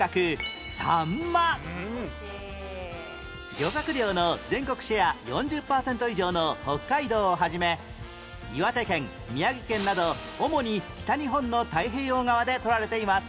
漁獲量の全国シェア４０パーセント以上の北海道を始め岩手県宮城県など主に北日本の太平洋側でとられています